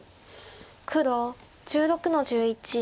黒１６の十一。